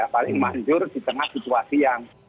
paling manjur di tengah situasi yang